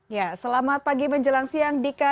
ya selamat pagi menjelang siang dika